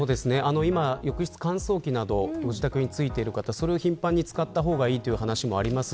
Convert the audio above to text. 今は浴室乾燥機などご自宅についている方それを頻繁に使った方がいいというお話もあります。